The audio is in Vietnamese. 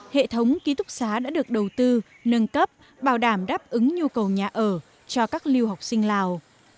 hệ thống ký túc xá đã được đầu tư nâng cấp bảo đảm đáp ứng nhu cầu nhà ở cho các lưu học sinh lào